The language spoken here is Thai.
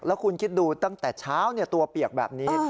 แล้วคุณคิดดูตั้งแต่เช้าตัวเปียกแบบนี้